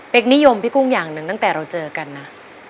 เป็นนิยมพี่กุ้งอย่างหนึ่งตั้งแต่เราเจอกันนะ